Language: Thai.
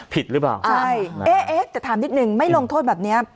ผิดหรือเปล่าใช่เอ๊ะแต่ถามนิดนึงไม่ลงโทษแบบเนี้ย